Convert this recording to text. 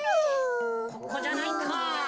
ここじゃないか。